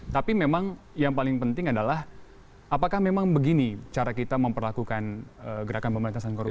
tapi memang yang paling penting adalah apakah memang begini cara kita memperlakukan gerakan pemerintahan korupsi